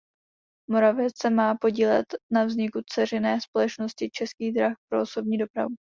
Moravec se má podílet na vzniku dceřiné společnosti Českých drah pro osobní dopravu.